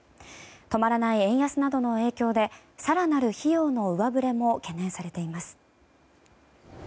止まらない円安などの影響で更なる費用の上振れも懸念されています。